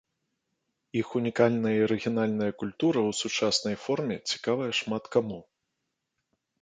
Іх унікальная і арыгінальная культура ў сучаснай форме цікавая шмат каму.